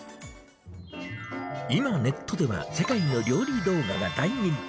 今、ネットでは、世界の料理動画が大人気。